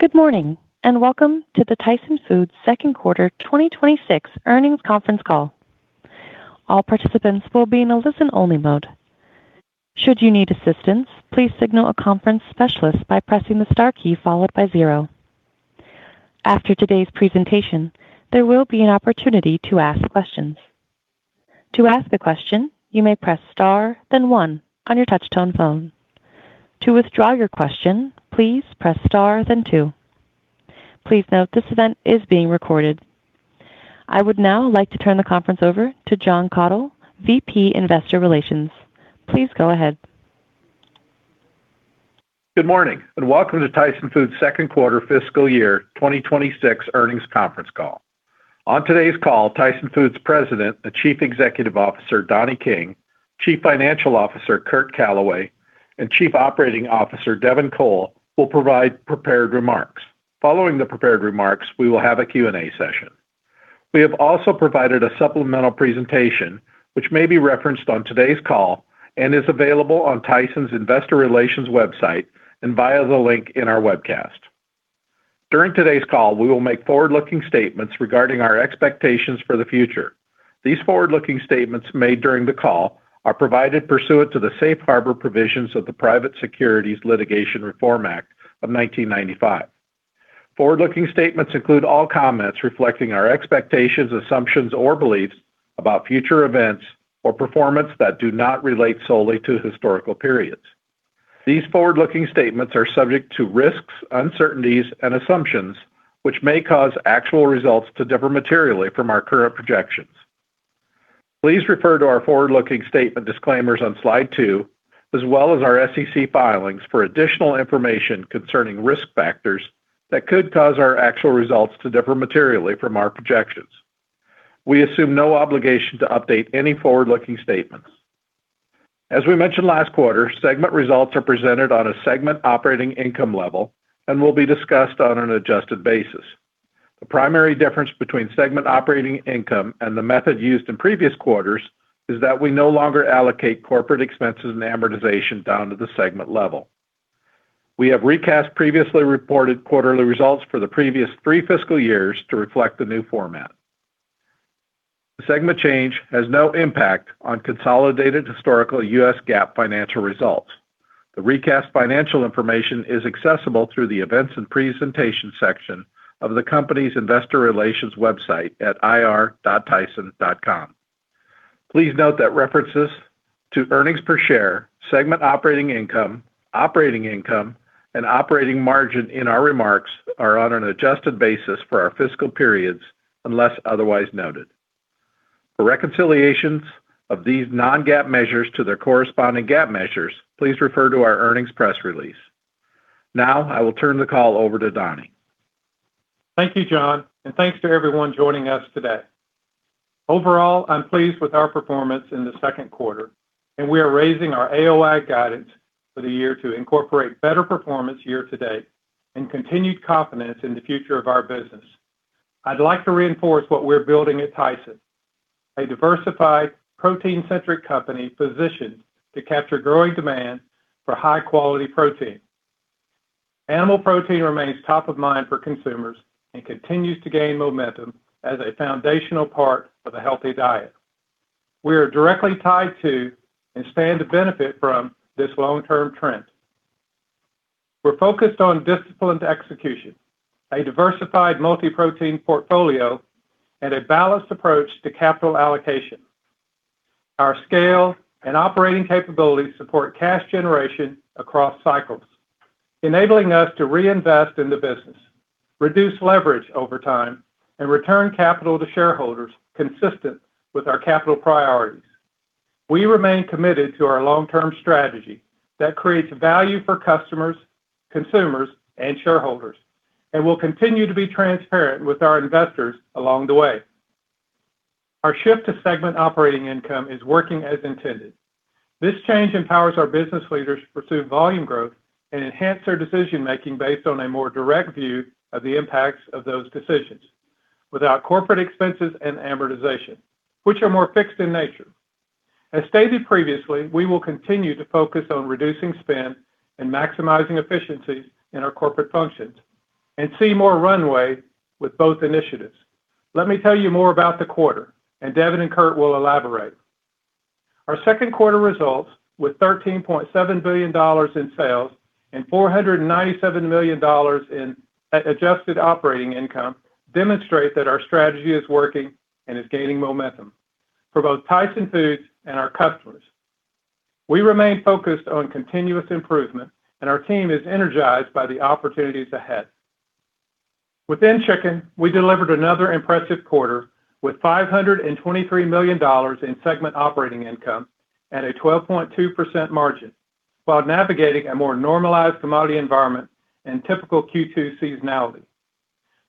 Good morning, and welcome to the Tyson Foods second quarter 2026 earnings conference call. All participants will be in a listen-only mode. After today's presentation, there will be an opportunity to ask questions. Please note, this event is being recorded. I would now like to turn the conference over to Jon Kathol, VP Investor Relations. Please go ahead. Good morning, and welcome to Tyson Foods second quarter fiscal year 2026 earnings conference call. On today's call, Tyson Foods President and Chief Executive Officer Donnie King, Chief Financial Officer Curt Calaway, and Chief Operating Officer Devin Cole will provide prepared remarks. Following the prepared remarks, we will have a Q&A session. We have also provided a supplemental presentation which may be referenced on today's call and is available on Tyson's Investor Relations website and via the link in our webcast. During today's call, we will make forward-looking statements regarding our expectations for the future. These forward-looking statements made during the call are provided pursuant to the safe harbor provisions of the Private Securities Litigation Reform Act of 1995. Forward-looking statements include all comments reflecting our expectations, assumptions, or beliefs about future events or performance that do not relate solely to historical periods. These forward-looking statements are subject to risks, uncertainties, and assumptions which may cause actual results to differ materially from our current projections. Please refer to our forward-looking statement disclaimers on slide two, as well as our SEC filings for additional information concerning risk factors that could cause our actual results to differ materially from our projections. We assume no obligation to update any forward-looking statements. As we mentioned last quarter, segment results are presented on a segment operating income level and will be discussed on an adjusted basis. The primary difference between segment operating income and the method used in previous quarters is that we no longer allocate corporate expenses and amortization down to the segment level. We have recast previously reported quarterly results for the previous three fiscal years to reflect the new format. The segment change has no impact on consolidated historical U.S. GAAP financial results. The recast financial information is accessible through the Events and Presentation section of the company's investor relations website at ir.tyson.com. Please note that references to earnings per share, segment operating income, operating income, and operating margin in our remarks are on an adjusted basis for our fiscal periods unless otherwise noted. For reconciliations of these non-GAAP measures to their corresponding GAAP measures, please refer to our earnings press release. Now, I will turn the call over to Donnie. Thank you, Jon, and thanks to everyone joining us today. Overall, I'm pleased with our performance in the second quarter. We are raising our AOI guidance for the year to incorporate better performance year to date and continued confidence in the future of our business. I'd like to reinforce what we're building at Tyson, a diversified protein-centric company positioned to capture growing demand for high-quality protein. Animal protein remains top of mind for consumers and continues to gain momentum as a foundational part of a healthy diet. We are directly tied to and stand to benefit from this long-term trend. We're focused on disciplined execution, a diversified multi-protein portfolio, and a balanced approach to capital allocation. Our scale and operating capabilities support cash generation across cycles, enabling us to reinvest in the business, reduce leverage over time, and return capital to shareholders consistent with our capital priorities. We remain committed to our long-term strategy that creates value for customers, consumers, and shareholders, and we'll continue to be transparent with our investors along the way. Our shift to segment operating income is working as intended. This change empowers our business leaders to pursue volume growth and enhance their decision-making based on a more direct view of the impacts of those decisions without corporate expenses and amortization, which are more fixed in nature. As stated previously, we will continue to focus on reducing spend and maximizing efficiencies in our corporate functions and see more runway with both initiatives. Let me tell you more about the quarter, and Devin and Curt will elaborate. Our second quarter results, with $13.7 billion in sales and $497 million in adjusted operating income, demonstrate that our strategy is working and is gaining momentum for both Tyson Foods and our customers. We remain focused on continuous improvement, and our team is energized by the opportunities ahead. Within Chicken, we delivered another impressive quarter with $523 million in segment operating income at a 12.2% margin while navigating a more normalized commodity environment and typical Q2 seasonality.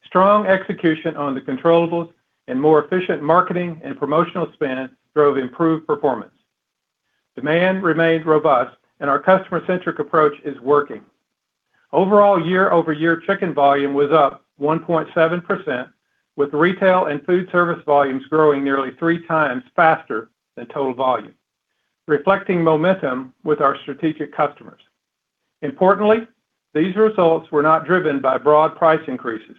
Strong execution on the controllables and more efficient marketing and promotional spend drove improved performance. Demand remains robust, and our customer-centric approach is working. Overall year-over-year Chicken volume was up 1.7%, with retail and food service volumes growing nearly three times faster than total volume. Reflecting momentum with our strategic customers. Importantly, these results were not driven by broad price increases,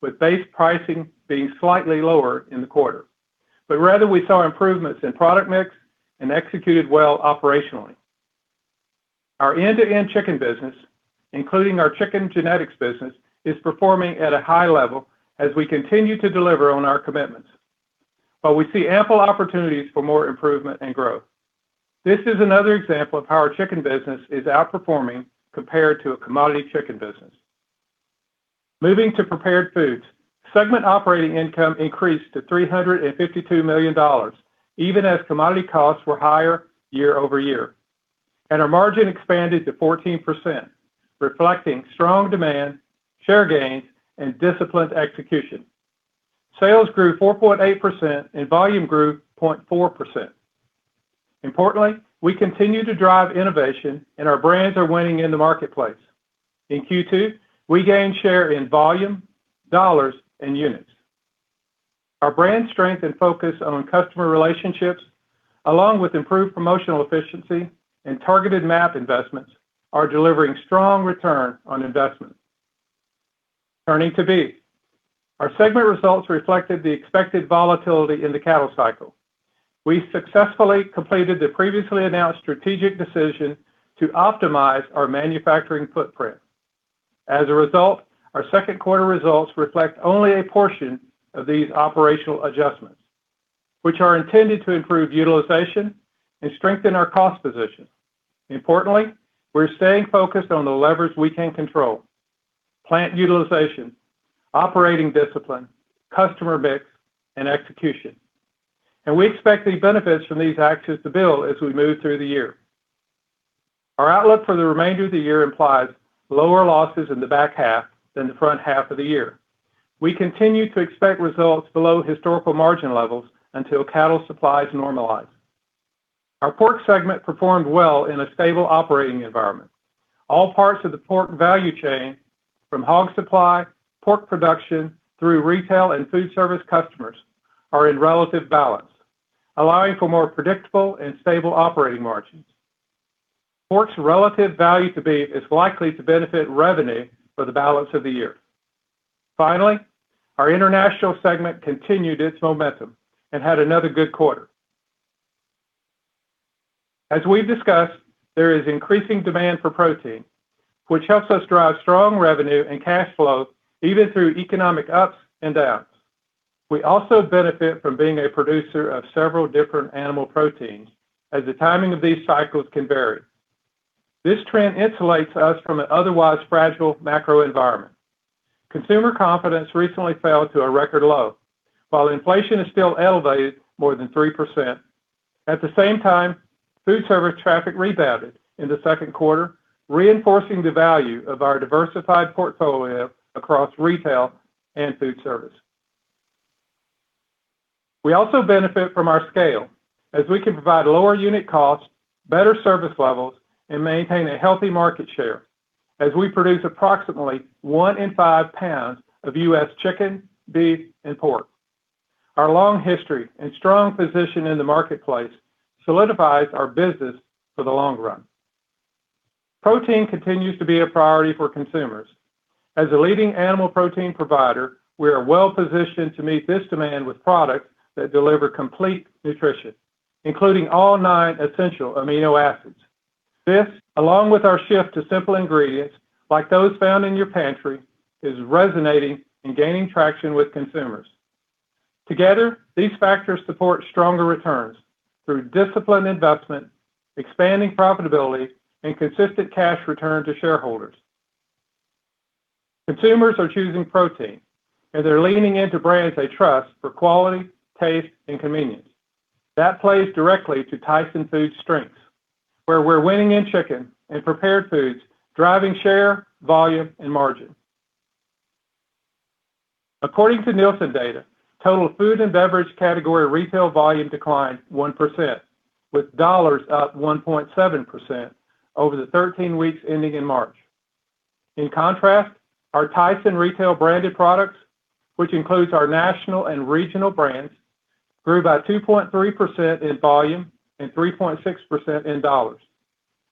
with base pricing being slightly lower in the quarter. Rather we saw improvements in product mix and executed well operationally. Our end-to-end Chicken business, including our chicken genetics business, is performing at a high level as we continue to deliver on our commitments. We see ample opportunities for more improvement and growth. This is another example of how our Chicken business is outperforming compared to a commodity chicken business. Moving to Prepared Foods, segment operating income increased to $352 million, even as commodity costs were higher year-over-year. Our margin expanded to 14%, reflecting strong demand, share gains, and disciplined execution. Sales grew 4.8% and volume grew 0.4%. Importantly, we continue to drive innovation, and our brands are winning in the marketplace. In Q2, we gained share in volume, dollars, and units. Our brand strength and focus on customer relationships, along with improved promotional efficiency and targeted MAP investments, are delivering strong return on investment. Turning to Beef. Our segment results reflected the expected volatility in the cattle cycle. We successfully completed the previously announced strategic decision to optimize our manufacturing footprint. As a result, our second quarter results reflect only a portion of these operational adjustments, which are intended to improve utilization and strengthen our cost position. Importantly, we're staying focused on the levers we can control: plant utilization, operating discipline, customer mix, and execution. We expect the benefits from these actions to build as we move through the year. Our outlook for the remainder of the year implies lower losses in the back half than the front half of the year. We continue to expect results below historical margin levels until cattle supplies normalize. Our Pork segment performed well in a stable operating environment. All parts of the pork value chain, from hog supply, pork production, through retail and food service customers, are in relative balance, allowing for more predictable and stable operating margins. Pork's relative value to Beef is likely to benefit revenue for the balance of the year. Finally, our International segment continued its momentum and had another good quarter. As we've discussed, there is increasing demand for protein, which helps us drive strong revenue and cash flow even through economic ups and downs. We also benefit from being a producer of several different animal proteins as the timing of these cycles can vary. This trend insulates us from an otherwise fragile macro environment. Consumer confidence recently fell to a record low, while inflation is still elevated more than 3%. At the same time, food service traffic rebounded in the second quarter, reinforcing the value of our diversified portfolio across retail and food service. We also benefit from our scale as we can provide lower unit costs, better service levels, and maintain a healthy market share as we produce approximately one in five pounds of U.S. chicken, beef, and pork. Our long history and strong position in the marketplace solidifies our business for the long run. Protein continues to be a priority for consumers. As a leading animal protein provider, we are well-positioned to meet this demand with products that deliver complete nutrition, including all nine essential amino acids. This, along with our shift to simple ingredients like those found in your pantry, is resonating and gaining traction with consumers. Together, these factors support stronger returns through disciplined investment, expanding profitability, and consistent cash return to shareholders. Consumers are choosing protein, and they're leaning into brands they trust for quality, taste, and convenience. That plays directly to Tyson Foods' strengths, where we're winning in Chicken and Prepared Foods, driving share, volume, and margin. According to Nielsen data, total food and beverage category retail volume declined 1%, with dollars up 1.7% over the 13 weeks ending in March. In contrast, our Tyson Retail branded products, which includes our national and regional brands, grew by 2.3% in volume and 3.6% in dollars,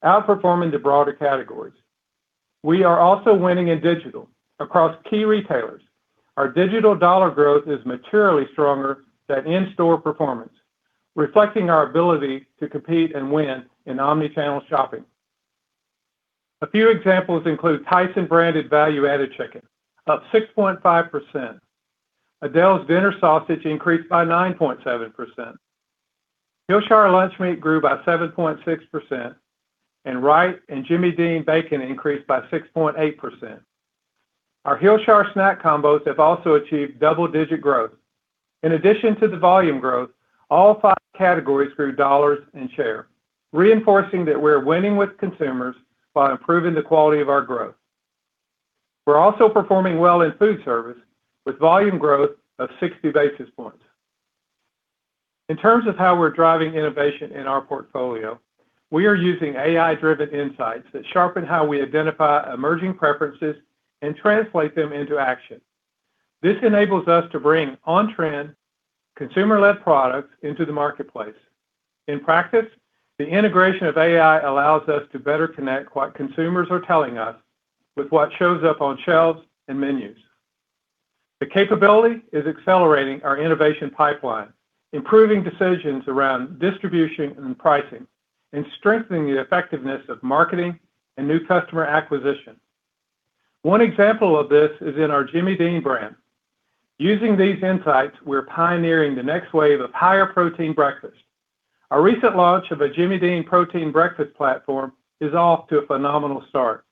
outperforming the broader categories. We are also winning in digital across key retailers. Our digital dollar growth is materially stronger than in-store performance, reflecting our ability to compete and win in omni-channel shopping. A few examples include Tyson branded value-added chicken, up 6.5%. Aidells dinner sausage increased by 9.7%. Hillshire lunch meat grew by 7.6%, and Wright and Jimmy Dean bacon increased by 6.8%. Our Hillshire Farm SNACKED! combos have also achieved double-digit growth. In addition to the volume growth, all five categories grew dollars and share, reinforcing that we're winning with consumers while improving the quality of our growth. We're also performing well in food service with volume growth of 60 basis points. In terms of how we're driving innovation in our portfolio, we are using AI-driven insights that sharpen how we identify emerging preferences and translate them into action. This enables us to bring on-trend consumer-led products into the marketplace. In practice, the integration of AI allows us to better connect what consumers are telling us with what shows up on shelves and menus. The capability is accelerating our innovation pipeline, improving decisions around distribution and pricing, and strengthening the effectiveness of marketing and new customer acquisition. One example of this is in our Jimmy Dean brand. Using these insights, we're pioneering the next wave of higher protein breakfast. Our recent launch of a Jimmy Dean protein breakfast platform is off to a phenomenal start,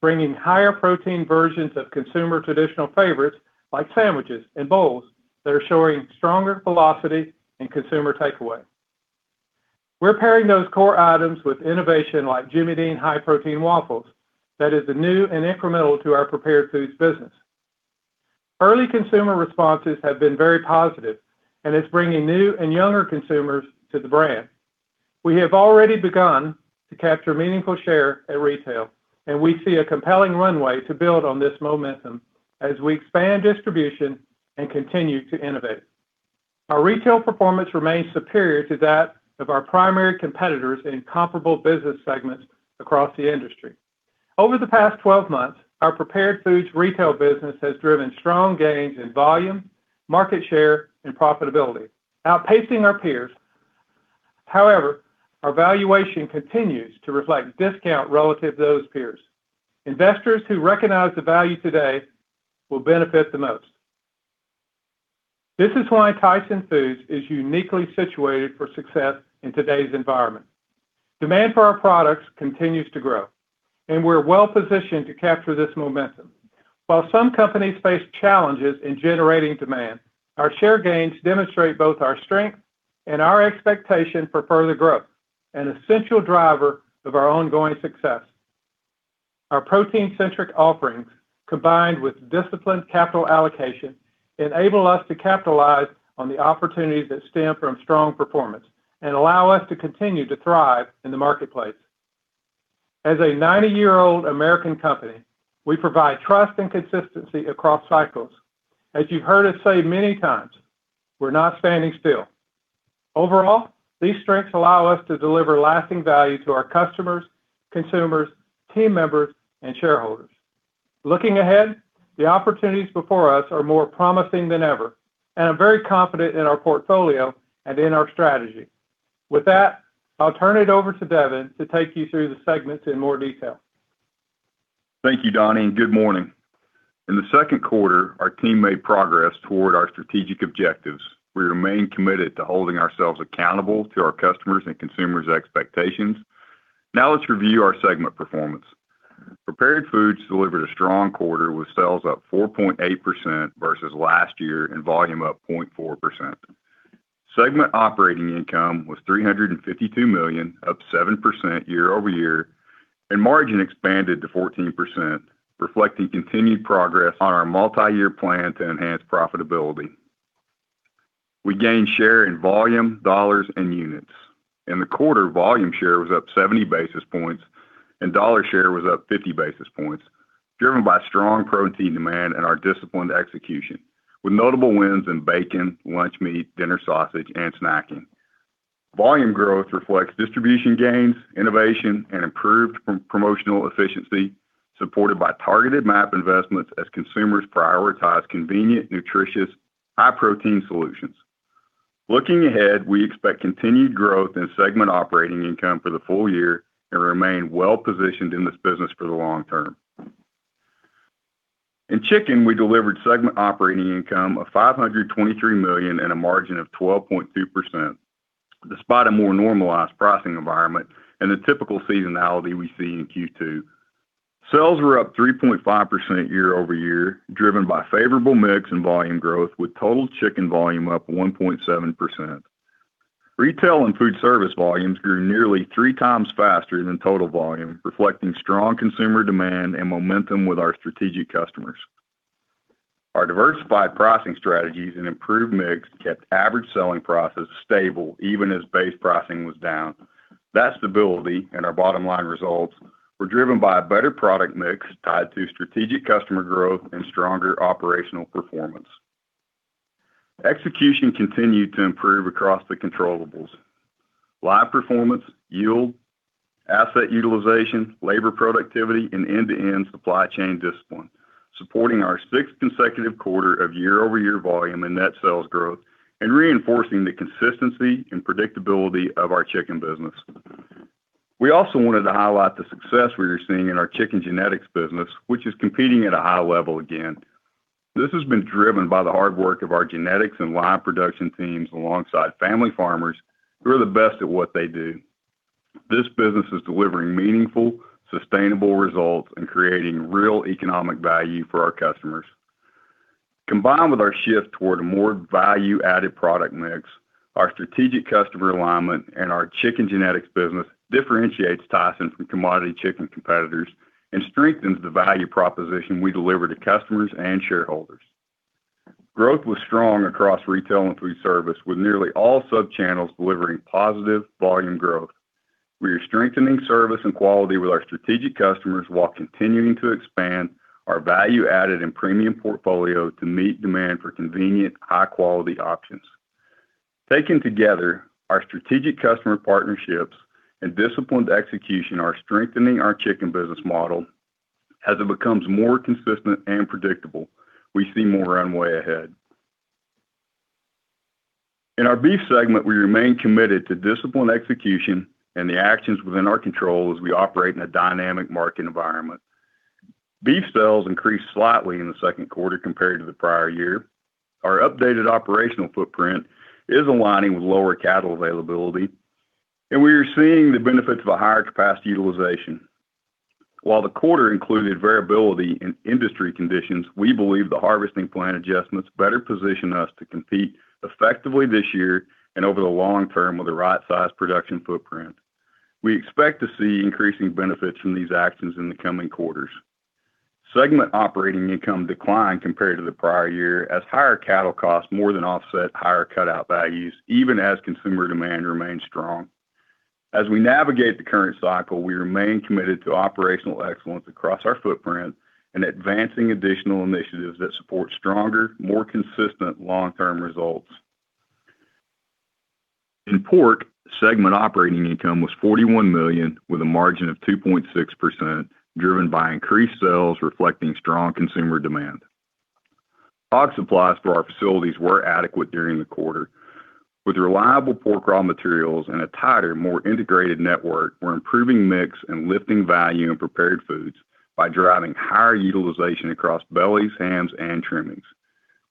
bringing higher protein versions of consumer traditional favorites like sandwiches and bowls that are showing stronger velocity and consumer takeaway. We're pairing those core items with innovation like Jimmy Dean Protein Waffles that is the new and incremental to our Prepared Foods business. Early consumer responses have been very positive and it's bringing new and younger consumers to the brand. We have already begun to capture meaningful share at retail, and we see a compelling runway to build on this momentum as we expand distribution and continue to innovate. Our retail performance remains superior to that of our primary competitors in comparable business segments across the industry. Over the past 12 months, our Prepared Foods retail business has driven strong gains in volume, market share, and profitability, outpacing our peers. Our valuation continues to reflect discount relative to those peers. Investors who recognize the value today will benefit the most. This is why Tyson Foods is uniquely situated for success in today's environment. Demand for our products continues to grow, and we're well-positioned to capture this momentum. While some companies face challenges in generating demand, our share gains demonstrate both our strength and our expectation for further growth, an essential driver of our ongoing success. Our protein-centric offerings, combined with disciplined capital allocation, enable us to capitalize on the opportunities that stem from strong performance and allow us to continue to thrive in the marketplace. As a 90-year-old American company, we provide trust and consistency across cycles. As you've heard us say many times, we're not standing still. Overall, these strengths allow us to deliver lasting value to our customers, consumers, team members, and shareholders. Looking ahead, the opportunities before us are more promising than ever, and I'm very confident in our portfolio and in our strategy. With that, I'll turn it over to Devin to take you through the segments in more detail. Thank you, Donnie, and good morning. In the second quarter, our team made progress toward our strategic objectives. We remain committed to holding ourselves accountable to our customers and consumers' expectations. Now let's review our segment performance. Prepared Foods delivered a strong quarter with sales up 4.8% versus last year and volume up 0.4%. Segment operating income was $352 million, up 7% year-over-year, and margin expanded to 14%, reflecting continued progress on our multiyear plan to enhance profitability. We gained share in volume, dollars, and units. In the quarter, volume share was up 70 basis points and dollar share was up 50 basis points, driven by strong protein demand and our disciplined execution, with notable wins in bacon, lunch meat, dinner sausage, and snacking. Volume growth reflects distribution gains, innovation, and improved pro-promotional efficiency supported by targeted MAP investments as consumers prioritize convenient, nutritious, high-protein solutions. Looking ahead, we expect continued growth in segment operating income for the full year and remain well-positioned in this business for the long term. In Chicken, we delivered segment operating income of $523 million and a margin of 12.2%, despite a more normalized pricing environment and the typical seasonality we see in Q2. Sales were up 3.5% year-over-year, driven by favorable mix and volume growth, with total Chicken volume up 1.7%. Retail and food service volumes grew nearly three times faster than total volume, reflecting strong consumer demand and momentum with our strategic customers. Our diversified pricing strategies and improved mix kept average selling prices stable even as base pricing was down. That stability in our bottom-line results were driven by a better product mix tied to strategic customer growth and stronger operational performance. Execution continued to improve across the controllables, live performance, yield, asset utilization, labor productivity, and end-to-end supply chain discipline, supporting our sixth consecutive quarter of year-over-year volume and net sales growth and reinforcing the consistency and predictability of our Chicken business. We also wanted to highlight the success we are seeing in our chicken genetics business, which is competing at a high level again. This has been driven by the hard work of our genetics and live production teams alongside family farmers who are the best at what they do. This business is delivering meaningful, sustainable results and creating real economic value for our customers. Combined with our shift toward a more value-added product mix, our strategic customer alignment and our chicken genetics business differentiates Tyson from commodity chicken competitors and strengthens the value proposition we deliver to customers and shareholders. Growth was strong across retail and food service, with nearly all sub-channels delivering positive volume growth. We are strengthening service and quality with our strategic customers while continuing to expand our value-added and premium portfolio to meet demand for convenient, high-quality options. Taken together, our strategic customer partnerships and disciplined execution are strengthening our Chicken business model. As it becomes more consistent and predictable, we see more runway ahead. In our Beef segment, we remain committed to disciplined execution and the actions within our control as we operate in a dynamic market environment. Beef sales increased slightly in the second quarter compared to the prior year. Our updated operational footprint is aligning with lower cattle availability, and we are seeing the benefits of a higher capacity utilization. While the quarter included variability in industry conditions, we believe the harvesting plan adjustments better position us to compete effectively this year and over the long term with the right size production footprint. We expect to see increasing benefits from these actions in the coming quarters. Segment operating income declined compared to the prior year as higher cattle costs more than offset higher cutout values, even as consumer demand remained strong. As we navigate the current cycle, we remain committed to operational excellence across our footprint and advancing additional initiatives that support stronger, more consistent long-term results. In Pork, segment operating income was $41 million with a margin of 2.6%, driven by increased sales reflecting strong consumer demand. Hog supplies for our facilities were adequate during the quarter. With reliable pork raw materials and a tighter, more integrated network, we're improving mix and lifting value in Prepared Foods by driving higher utilization across bellies, hams, and trimmings.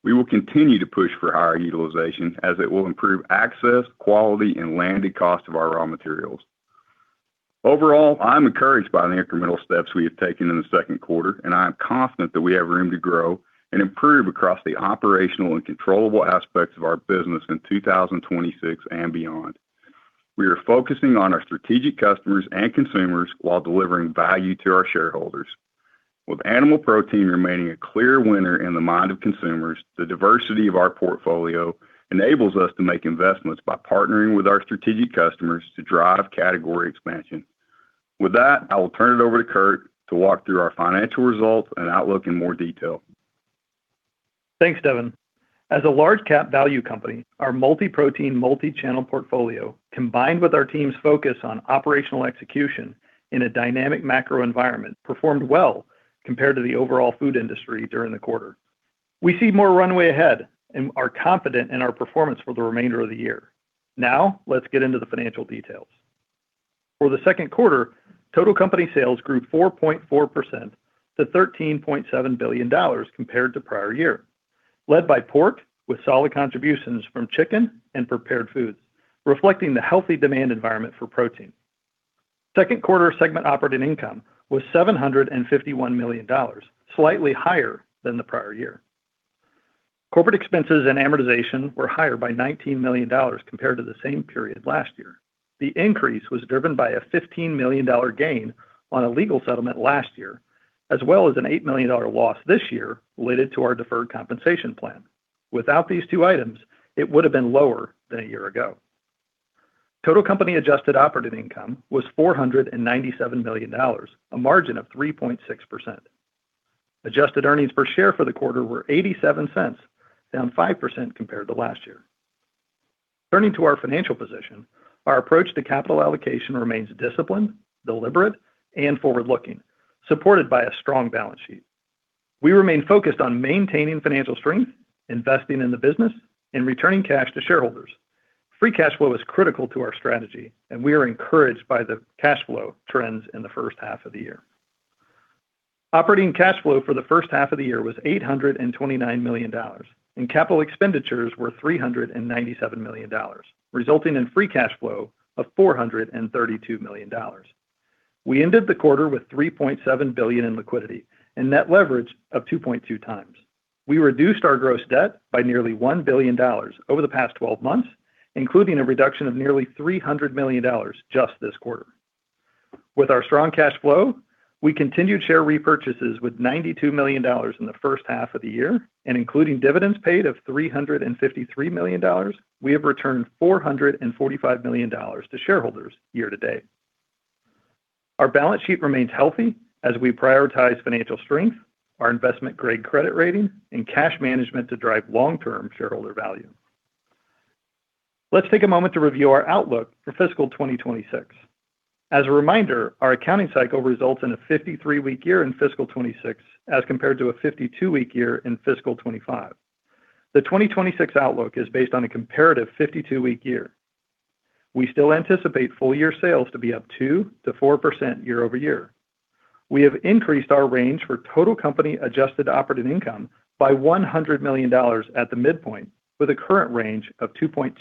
We will continue to push for higher utilization as it will improve access, quality, and landed cost of our raw materials. Overall, I'm encouraged by the incremental steps we have taken in the second quarter, and I am confident that we have room to grow and improve across the operational and controllable aspects of our business in 2026 and beyond. We are focusing on our strategic customers and consumers while delivering value to our shareholders. With animal protein remaining a clear winner in the mind of consumers, the diversity of our portfolio enables us to make investments by partnering with our strategic customers to drive category expansion. With that, I will turn it over to Curt to walk through our financial results and outlook in more detail. Thanks, Devin. As a large cap value company, our multi-protein, multi-channel portfolio, combined with our team's focus on operational execution in a dynamic macro environment, performed well compared to the overall food industry during the quarter. We see more runway ahead and are confident in our performance for the remainder of the year. Let's get into the financial details. For the second quarter, total company sales grew 4.4% to $13.7 billion compared to prior year, led by Pork with solid contributions from Chicken and Prepared Foods, reflecting the healthy demand environment for protein. Second quarter segment operating income was $751 million, slightly higher than the prior year. Corporate expenses and amortization were higher by $19 million compared to the same period last year. The increase was driven by a $15 million gain on a legal settlement last year, as well as an $8 million loss this year related to our deferred compensation plan. Without these two items, it would have been lower than a year ago. Total company adjusted operating income was $497 million, a margin of 3.6%. Adjusted earnings per share for the quarter were $0.87, down 5% compared to last year. Turning to our financial position, our approach to capital allocation remains disciplined, deliberate, and forward-looking, supported by a strong balance sheet. We remain focused on maintaining financial strength, investing in the business, and returning cash to shareholders. Free cash flow is critical to our strategy, and we are encouraged by the cash flow trends in the first half of the year. Operating cash flow for the first half of the year was $829 million, and capital expenditures were $397 million, resulting in free cash flow of $432 million. We ended the quarter with $3.7 billion in liquidity and net leverage of 2.2x. We reduced our gross debt by nearly $1 billion over the past twelve months, including a reduction of nearly $300 million just this quarter. With our strong cash flow, we continued share repurchases with $92 million in the first half of the year, and including dividends paid of $353 million, we have returned $445 million to shareholders year to date. Our balance sheet remains healthy as we prioritize financial strength, our investment-grade credit rating, and cash management to drive long-term shareholder value. Let's take a moment to review our outlook for fiscal 2026. As a reminder, our accounting cycle results in a 53-week year in fiscal 2026 as compared to a 52-week year in fiscal 2025. The 2026 outlook is based on a comparative 52-week year. We still anticipate full year sales to be up 2%-4% year-over-year. We have increased our range for total company adjusted operating income by $100 million at the midpoint with a current range of $2.2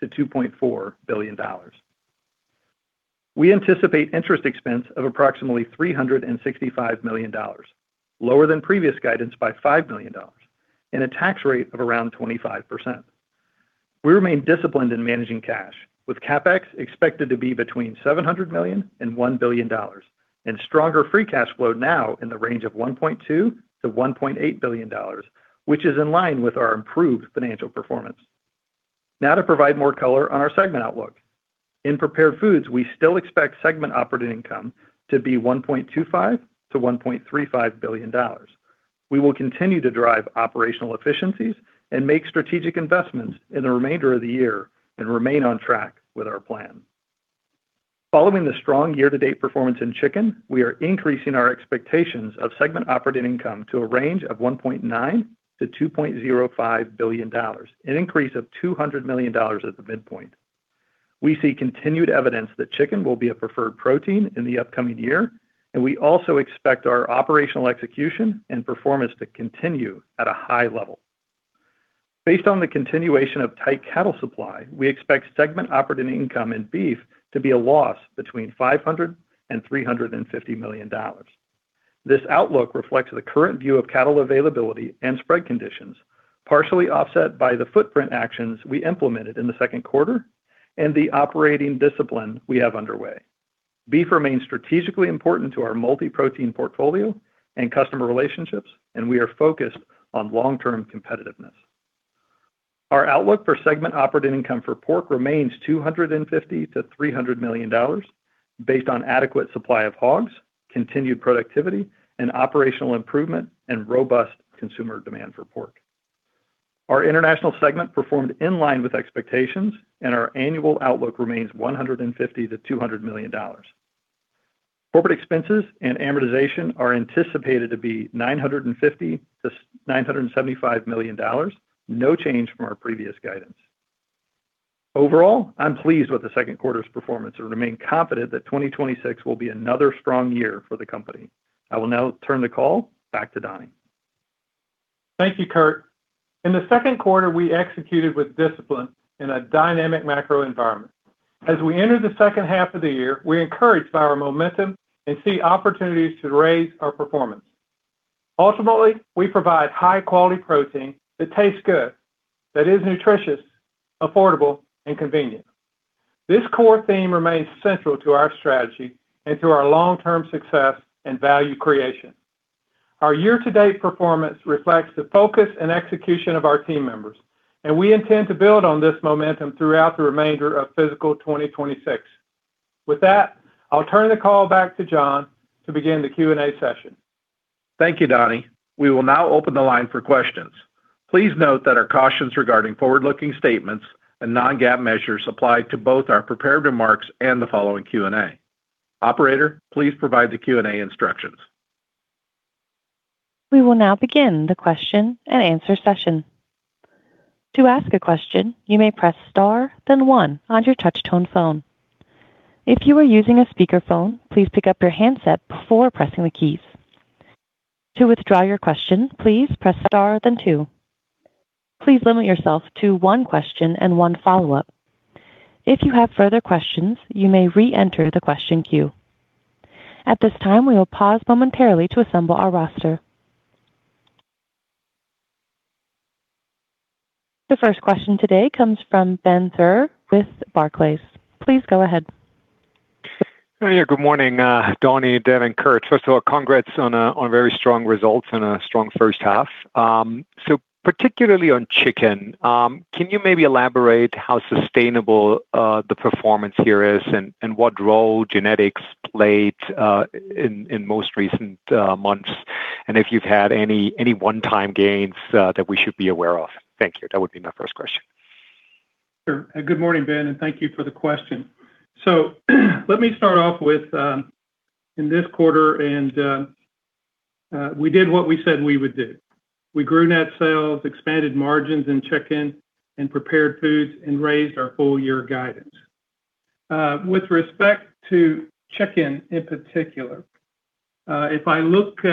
billion-$2.4 billion. We anticipate interest expense of approximately $365 million, lower than previous guidance by $5 million and a tax rate of around 25%. We remain disciplined in managing cash with CapEx expected to be between $700 million and $1 billion and stronger free cash flow now in the range of $1.2 billion-$1.8 billion. Which is in line with our improved financial performance. Now to provide more color on our segment outlook. In Prepared Foods, we still expect segment operating income to be $1.25 billion-$1.35 billion. We will continue to drive operational efficiencies and make strategic investments in the remainder of the year and remain on track with our plan. Following the strong year-to-date performance in Chicken, we are increasing our expectations of segment operating income to a range of $1.9 billion-$2.05 billion, an increase of $200 million at the midpoint. We see continued evidence that chicken will be a preferred protein in the upcoming year, and we also expect our operational execution and performance to continue at a high level. Based on the continuation of tight cattle supply, we expect segment operating income in Beef to be a loss between $500 million and $350 million. This outlook reflects the current view of cattle availability and spread conditions, partially offset by the footprint actions we implemented in the second quarter and the operating discipline we have underway. Beef remains strategically important to our multi-protein portfolio and customer relationships, and we are focused on long-term competitiveness. Our outlook for segment operating income for Pork remains $250 million-$300 million based on adequate supply of hogs, continued productivity and operational improvement and robust consumer demand for pork. Our International segment performed in line with expectations, and our annual outlook remains $150 million-$200 million. Corporate expenses and amortization are anticipated to be $950 million-$975 million, no change from our previous guidance. Overall, I'm pleased with the second quarter's performance and remain confident that 2026 will be another strong year for the company. I will now turn the call back to Donnie. Thank you, Curt. In the second quarter, we executed with discipline in a dynamic macro environment. As we enter the second half of the year, we're encouraged by our momentum and see opportunities to raise our performance. Ultimately, we provide high-quality protein that tastes good, that is nutritious, affordable and convenient. This core theme remains central to our strategy and to our long-term success and value creation. Our year-to-date performance reflects the focus and execution of our team members, and we intend to build on this momentum throughout the remainder of fiscal 2026. With that, I'll turn the call back to Jon to begin the Q&A session. Thank you, Donnie. We will now open the line for questions. Please note that our cautions regarding forward-looking statements and non-GAAP measures apply to both our prepared remarks and the following Q&A. Operator, please provide the Q&A instructions. The first question today comes from Ben Theurer with Barclays. Please go ahead. Good morning, Donnie, Devin, Curt. First of all, congrats on very strong results and a strong first half. Particularly on Chicken, can you maybe elaborate how sustainable the performance here is and what role genetics played in most recent months? If you've had any one-time gains that we should be aware of? Thank you. That would be my first question. Sure. Good morning, Ben, and thank you for the question. Let me start off with, in this quarter and, we did what we said we would do. We grew net sales, expanded margins in Chicken and Prepared Foods, and raised our full year guidance. With respect to Chicken in particular, if I look at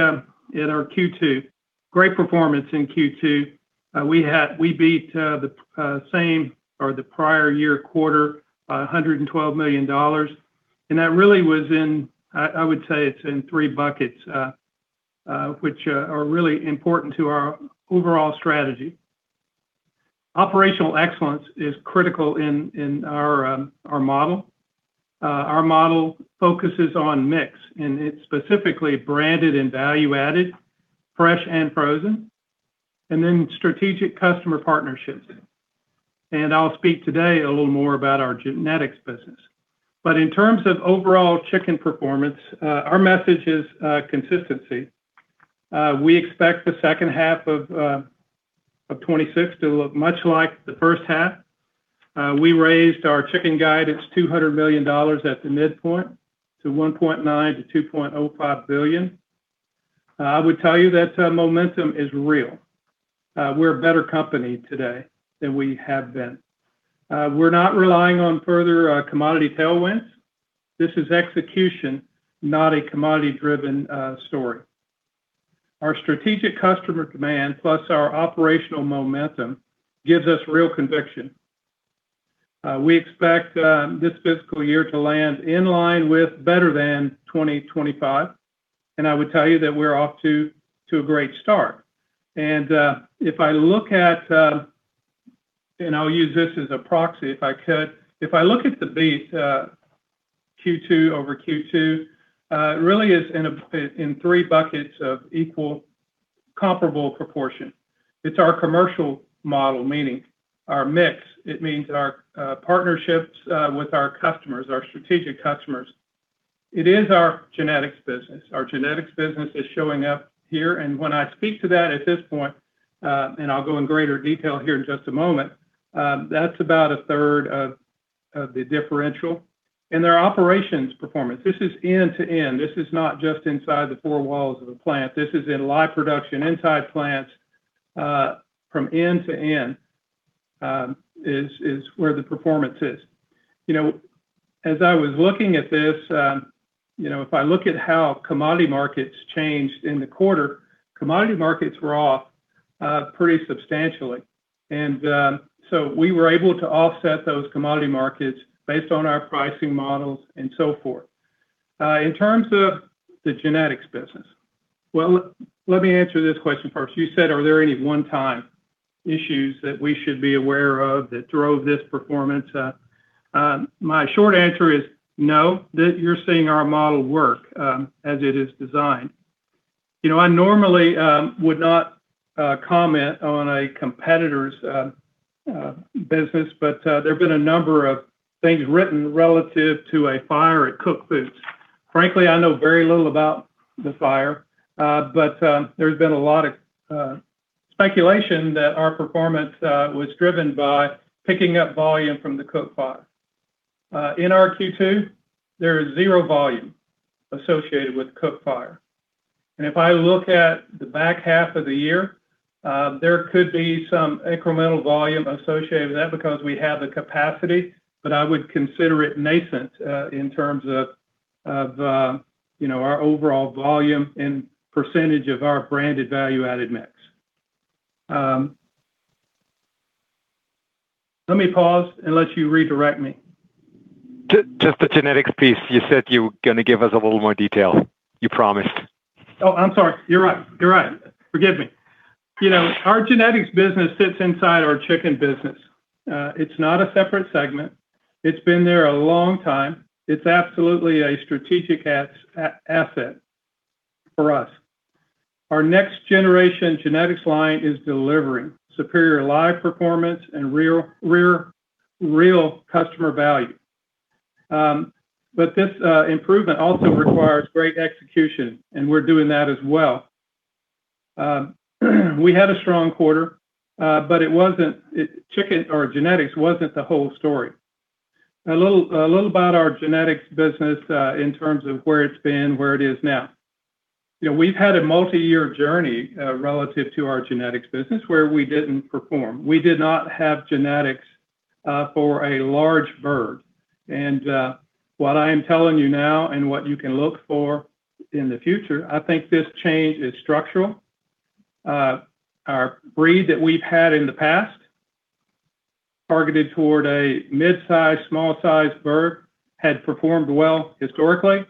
our Q2, great performance in Q2. We beat the same or the prior year quarter, $112 million, and that really was in. I would say it's in three buckets, which are really important to our overall strategy. Operational excellence is critical in our model. Our model focuses on mix, and it's specifically branded and value-added, fresh and frozen, and then strategic customer partnerships. I'll speak today a little more about our genetics business. In terms of overall Chicken performance, our message is consistency. We expect the second half of 2026 to look much like the first half. We raised our Chicken guidance $200 million at the midpoint to $1.9 billion-$2.05 billion. I would tell you that momentum is real. We're a better company today than we have been. We're not relying on further commodity tailwinds. This is execution, not a commodity-driven story. Our strategic customer demand plus our operational momentum gives us real conviction. We expect this fiscal year to land in line with better than 2025, and I would tell you that we're off to a great start. If I look at, I'll use this as a proxy if I could. If I look at the base, Q2 over Q2, it really is in three buckets of equal comparable proportion. It's our commercial model, meaning our mix. It means our partnerships with our customers, our strategic customers. It is our genetics business. Our genetics business is showing up here. When I speak to that at this point, and I'll go in greater detail here in just a moment, that's about 1/3 of the differential. Their operations performance, this is end-to-end. This is not just inside the four walls of a plant. This is in live production inside plants, from end-to-end, is where the performance is. You know, as I was looking at this, you know, if I look at how commodity markets changed in the quarter, commodity markets were off pretty substantially. So we were able to offset those commodity markets based on our pricing models and so forth. In terms of the genetics business, well, let me answer this question first. You said, "Are there any one-time issues that we should be aware of that drove this performance?" My short answer is no, that you're seeing our model work as it is designed. You know, I normally would not comment on a competitor's business, but there have been a number of things written relative to a fire at Koch Foods. Frankly, I know very little about the fire, there's been a lot of speculation that our performance was driven by picking up volume from the Koch fire. In our Q2, there is zero volume associated with Koch fire. If I look at the back half of the year, there could be some incremental volume associated with that because we have the capacity, but I would consider it nascent, in terms of, you know, our overall volume and percentage of our branded value-added mix. Let me pause and let you redirect me. Just the genetics piece, you said you were gonna give us a little more detail. You promised. I'm sorry. You're right. Forgive me. You know, our genetics business sits inside our Chicken business. It's not a separate segment. It's been there a long time. It's absolutely a strategic asset for us. Our next generation genetics line is delivering superior live performance and real customer value. This improvement also requires great execution, and we're doing that as well. We had a strong quarter, Chicken or genetics wasn't the whole story. A little about our genetics business, in terms of where it's been, where it is now. You know, we've had a multi-year journey, relative to our genetics business where we didn't perform. We did not have genetics for a large bird. What I am telling you now and what you can look for in the future, I think this change is structural. Our breed that we've had in the past targeted toward a mid-size, small-size bird had performed well historically.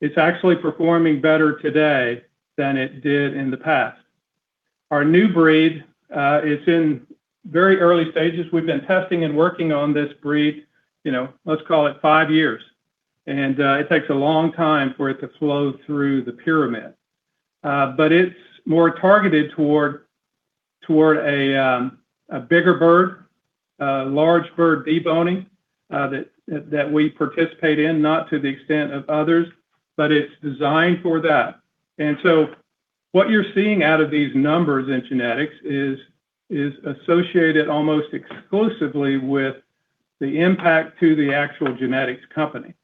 It's actually performing better today than it did in the past. Our new breed is in very early stages. We've been testing and working on this breed, you know, let's call it five years. It takes a long time for it to flow through the pyramid. But it's more targeted toward a bigger bird, a large bird deboning that we participate in, not to the extent of others, but it's designed for that. What you're seeing out of these numbers in genetics is associated almost exclusively with the impact to the actual genetics company.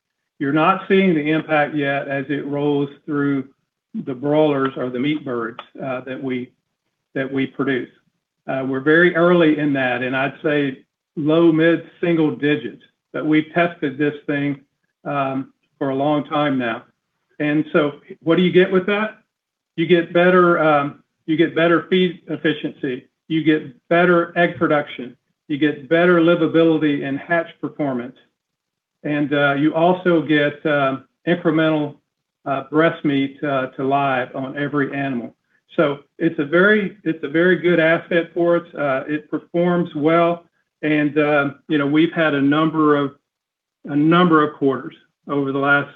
You're not seeing the impact yet as it rolls through the broilers or the meat birds that we produce. We're very early in that, and I'd say low mid-single digits. We've tested this thing for a long time now. What do you get with that? You get better, you get better feed efficiency, you get better egg production, you get better livability and hatch performance, and you also get incremental breast meat to live on every animal. It's a very good asset for us. It performs well. You know, we've had a number of quarters over the last,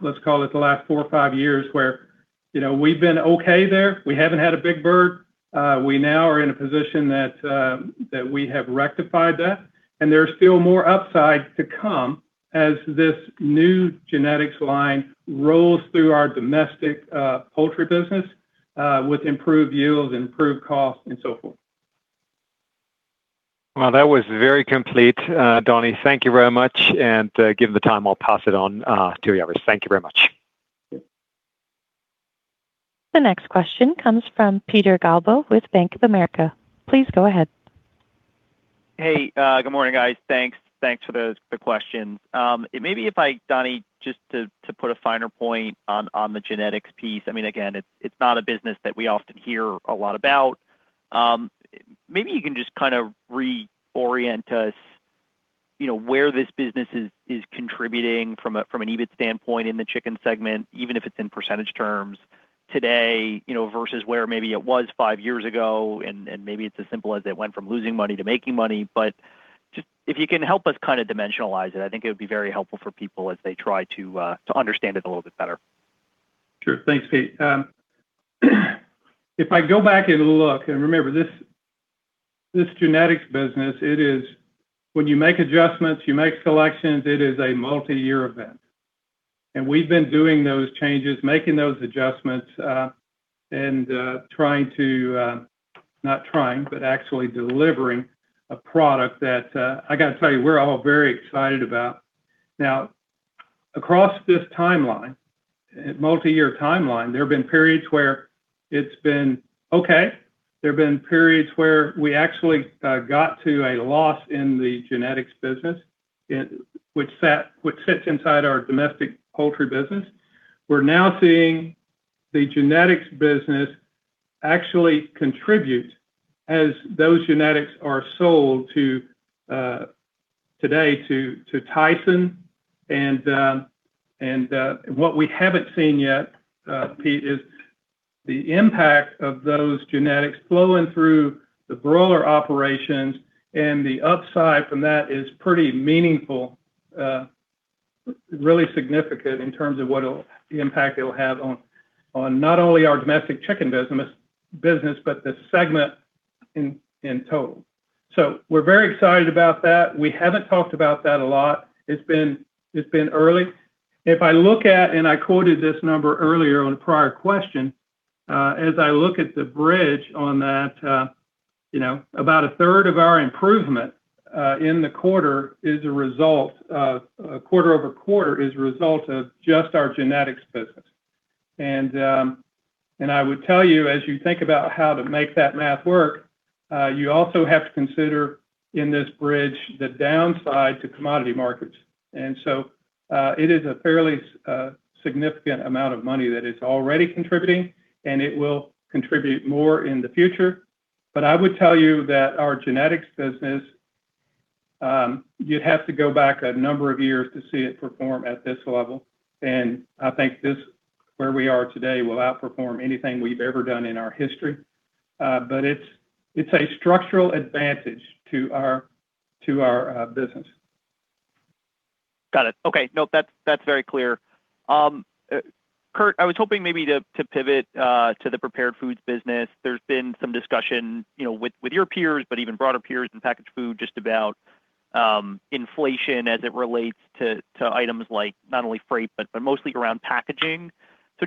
let's call it the last four or five years, where, you know, we've been okay there. We haven't had a big bird. We now are in a position that we have rectified that. There's still more upside to come as this new genetics line rolls through our domestic poultry business with improved yields, improved costs, and so forth. Well, that was very complete, Donnie. Thank you very much. Given the time, I'll pass it on to the others. Thank you very much. The next question comes from Peter Galbo with Bank of America. Please go ahead. Hey, good morning, guys. Thanks for those, the questions. Maybe if I, Donnie, just to put a finer point on the genetics piece, I mean, it's not a business that we often hear a lot about. Maybe you can just kind of reorient us. You know, where this business is contributing from an EBIT standpoint in the Chicken segment, even if it's in percentage terms today, you know, versus where maybe it was five years ago, and maybe it's as simple as it went from losing money to making money. Just if you can help us kind of dimensionalize it, I think it would be very helpful for people as they try to understand it a little bit better. Sure. Thanks, Pete. If I go back and look, and remember, this genetics business, it is when you make adjustments, you make selections, it is a multi-year event. We've been doing those changes, making those adjustments, and trying to, not trying, but actually delivering a product that, I gotta tell you, we're all very excited about. Now, across this timeline, multi-year timeline, there have been periods where it's been okay. There have been periods where we actually got to a loss in the genetics business, it, which sat, which sits inside our domestic poultry business. We're now seeing the genetics business actually contribute as those genetics are sold to today to Tyson, and what we haven't seen yet, Pete, is the impact of those genetics flowing through the broiler operations, and the upside from that is pretty meaningful, really significant in terms of the impact it'll have on not only our domestic Chicken business, but the segment in total. We're very excited about that. We haven't talked about that a lot. It's been early. If I look at, and I quoted this number earlier on a prior question, as I look at the bridge on that, you know, about 1/3 of our improvement in the quarter is a result quarter-over-quarter is a result of just our genetics business. I would tell you, as you think about how to make that math work, you also have to consider in this bridge the downside to commodity markets. It is a fairly significant amount of money that it's already contributing, and it will contribute more in the future. I would tell you that our genetics business, you'd have to go back a number of years to see it perform at this level. I think this, where we are today, will outperform anything we've ever done in our history. It's, it's a structural advantage to our, to our business. Got it. Okay. No, that's very clear. Curt, I was hoping maybe to pivot to the Prepared Foods business. There's been some discussion, you know, with your peers, but even broader peers in packaged food just about inflation as it relates to items like not only freight, but mostly around packaging.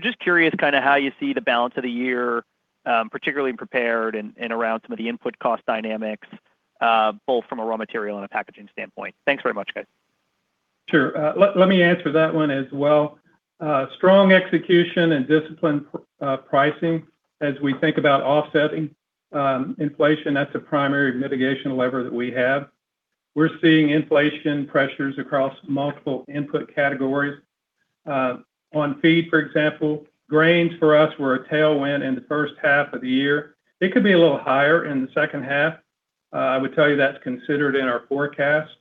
Just curious kind of how you see the balance of the year, particularly in prepared and around some of the input cost dynamics, both from a raw material and a packaging standpoint. Thanks very much, guys. Sure. Let me answer that one as well. Strong execution and disciplined pricing as we think about offsetting inflation, that's a primary mitigation lever that we have. We're seeing inflation pressures across multiple input categories. On feed, for example, grains for us were a tailwind in the first half of the year. It could be a little higher in the second half. I would tell you that's considered in our forecast.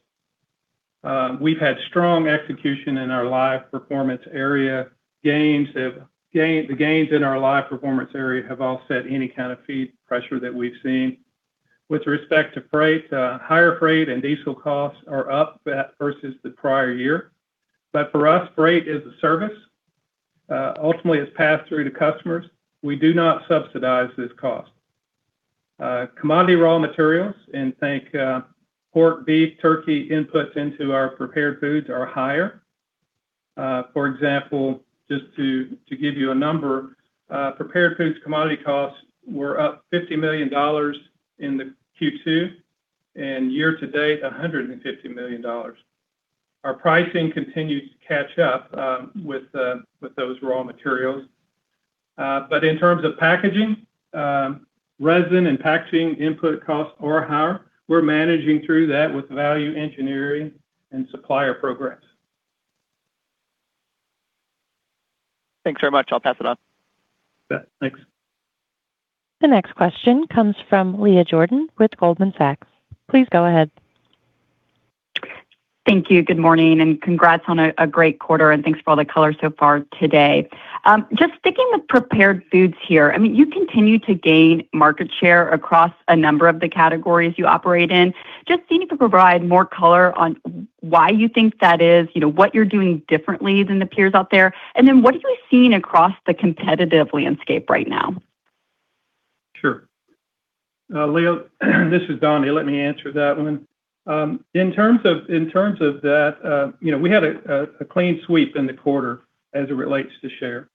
We've had strong execution in our live performance area. The gains in our live performance area have offset any kind of feed pressure that we've seen. With respect to freight, higher freight and diesel costs are up versus the prior year. For us, freight is a service. Ultimately, it's passed through to customers. We do not subsidize this cost. Commodity raw materials, and think, pork, beef, turkey inputs into our Prepared Foods are higher. For example, just to give you a number, Prepared Foods commodity costs were up $50 million in the Q2, and year to date, $150 million. Our pricing continues to catch up with those raw materials. In terms of packaging, resin and packaging input costs are higher. We're managing through that with value engineering and supplier programs. Thanks very much. I'll pass it on. You bet. Thanks. The next question comes from Leah Jordan with Goldman Sachs. Please go ahead. Thank you. Good morning. Congrats on a great quarter, and thanks for all the color so far today. Just sticking with Prepared Foods here, I mean, you continue to gain market share across a number of the categories you operate in. Just seeing if you could provide more color on why you think that is, you know, what you're doing differently than the peers out there, and then what are you seeing across the competitive landscape right now? Sure. Leah, this is Donnie. Let me answer that one. In terms of that, you know, we had a clean sweep in the quarter as it relates to share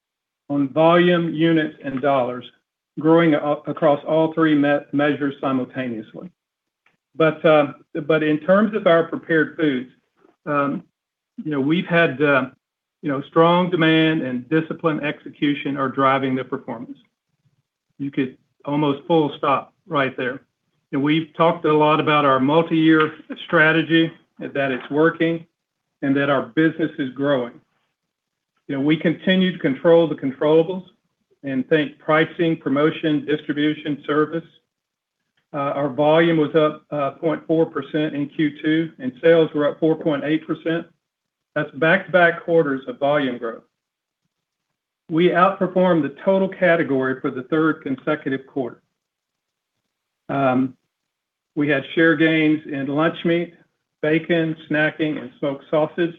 on volume, units, and dollars, growing across all three measures simultaneously. In terms of our Prepared Foods, you know, we've had strong demand and disciplined execution are driving the performance. You could almost full stop right there. We've talked a lot about our multi-year strategy, that it's working, and that our business is growing. You know, we continue to control the controllables and think pricing, promotion, distribution, service. Our volume was up 0.4% in Q2, and sales were up 4.8%. That's back-to-back quarters of volume growth. We outperformed the total category for the third consecutive quarter. We had share gains in lunch meat, bacon, snacking, and smoked sausage.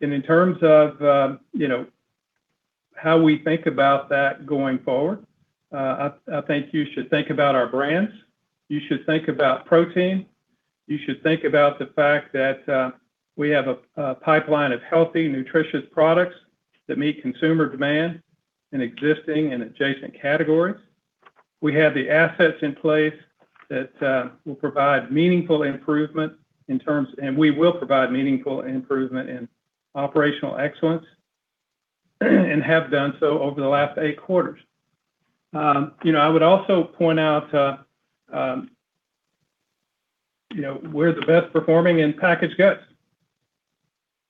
In terms of, you know, how we think about that going forward, I think you should think about our brands. You should think about protein. You should think about the fact that we have a pipeline of healthy, nutritious products that meet consumer demand in existing and adjacent categories. We have the assets in place that will provide meaningful improvement, and we will provide meaningful improvement in operational excellence, and have done so over the last eight quarters. You know, I would also point out, you know, we're the best performing in packaged goods.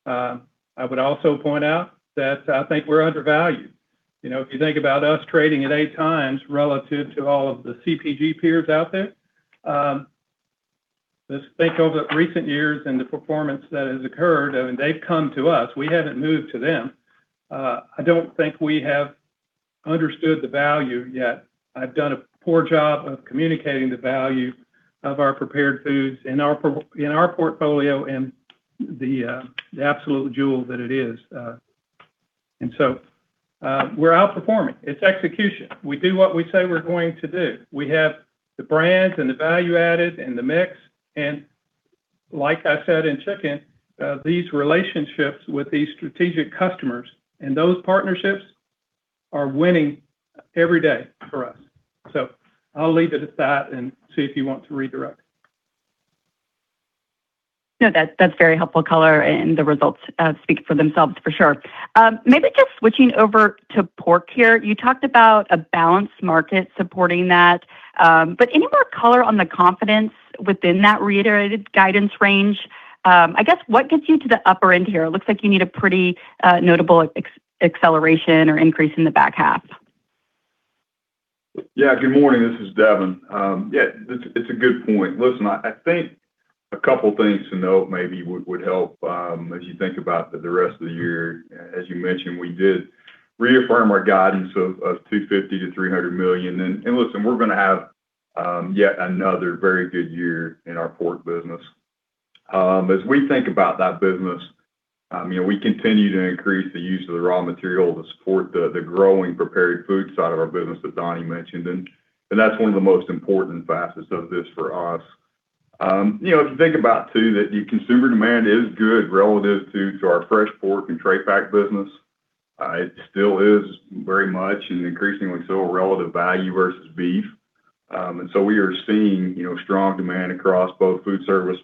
I would also point out that I think we're undervalued. You know, if you think about us trading at 8x relative to all of the CPG peers out there, just think over recent years and the performance that has occurred, I mean, they've come to us, we haven't moved to them. I don't think we have understood the value yet. I've done a poor job of communicating the value of our Prepared Foods and our portfolio and the absolute jewel that it is. We're outperforming. It's execution. We do what we say we're going to do. We have the brands and the value added and the mix. Like I said in Chicken, these relationships with these strategic customers and those partnerships are winning every day for us. I'll leave it at that and see if you want to redirect. No, that's very helpful color, and the results speak for themselves for sure. Maybe just switching over to Pork here. You talked about a balanced market supporting that, but any more color on the confidence within that reiterated guidance range? I guess what gets you to the upper end here? It looks like you need a pretty notable acceleration or increase in the back half. Yeah. Good morning. This is Devin. yeah, it's a good point. Listen, I think a couple things to note maybe would help as you think about the rest of the year. As you mentioned, we did reaffirm our guidance of $250 million-$300 million. listen, we're gonna have yet another very good year in our Pork business. As we think about that business, you know, we continue to increase the use of the raw material to support the growing prepared food side of our business that Donnie mentioned, and that's one of the most important facets of this for us. You know, if you think about too that your consumer demand is good relative to our fresh pork and tray pack business, it still is very much and increasingly so a relative value versus beef. We are seeing, you know, strong demand across both food service